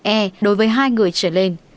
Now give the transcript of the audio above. e đối với hai người trở lên